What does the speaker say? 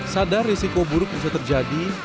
sadar risiko buruk bisa terjadi